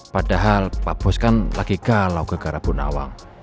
padahal pak bos kan lagi galau ke garabunawang